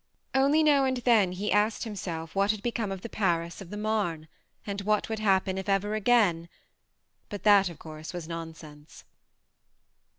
Only now and then he asked himself what had become of the Paris of the Marne, and what would happen if ever again But that of course was nonsense.